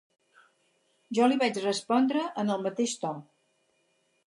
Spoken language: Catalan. Jo li vaig respondre en el mateix to.